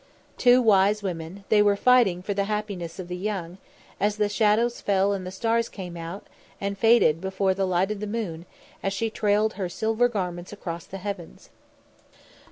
Two wise women, they were fighting for the happiness of the young, as the shadows fell and the stars came out and faded before the light of the moon as she trailed her silver garments across the heavens.